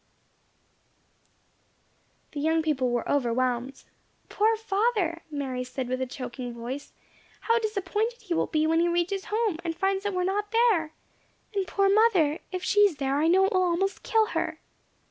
C. G." The young people were overwhelmed. "Poor father!" Mary said with a choking voice, "how disappointed he will be when he reaches home, and finds that we are not there! And poor mother! if she is there I know it will almost kill her."